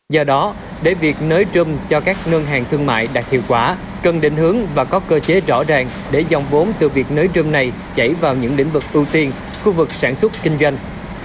do đó để việc nới rơm cho các ngân hàng thương mại đạt hiệu quả cần định hướng và có cơ chế rõ ràng để dòng vốn từ việc nới rơm này chảy vào những lĩnh vực ưu tiên khu vực sản xuất kinh doanh